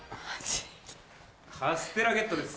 カステラゲットです。